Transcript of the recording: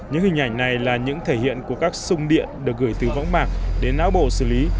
những hình ảnh này là những thể hiện của các sung điện được gửi từ võng mạc đến não bộ xử lý